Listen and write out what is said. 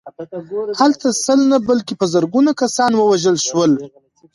هلته سل نه بلکې په زرګونه کسان ووژل شول